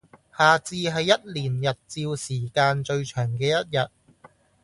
夏至係一年日照時間最長嘅一日